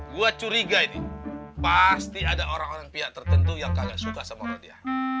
gua curiga ini pasti ada orang orang pihak tertentu yang kagak suka sama rodiah